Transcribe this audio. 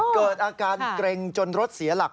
เกิดอาการเกร็งจนรถเสียหลัก